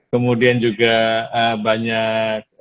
kemudian juga banyak